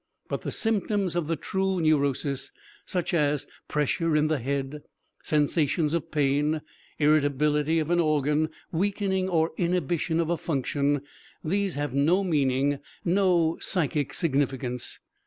But the symptoms of the true neurosis such as pressure in the head, sensations of pain, irritability of an organ, weakening or inhibition of a function these have no meaning, no psychic significance.